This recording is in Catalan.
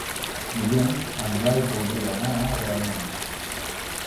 Dilluns en Blai voldria anar a Agramunt.